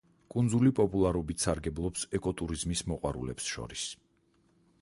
კუნძული პოპულარობით სარგებლობს ეკოტურიზმის მოყვარულებს შორის.